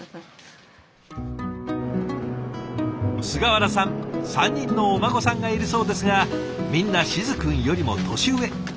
菅原さん３人のお孫さんがいるそうですがみんな静くんよりも年上。